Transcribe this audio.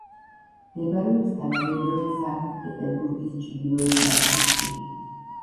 მდებარეობს თანამედროვე სანქტ-პეტერბურგის ჩრდილოეთ ნაწილში.